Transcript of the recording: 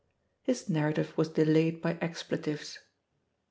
His narrative was delayed by expletives.